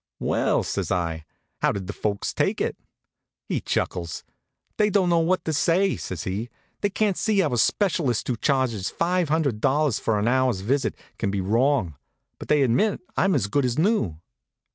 "Well," says I, "how did the folks take it?" He chuckles. "They don't know what to say," says he. "They can't see how a specialist who charges five hundred dollars for an hour's visit can be wrong; but they admit I'm as good as new."